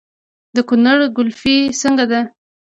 د کونړ ګلپي څنګه ده؟